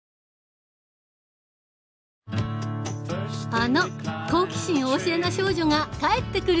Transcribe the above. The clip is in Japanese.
あの好奇心旺盛な少女が帰ってくる！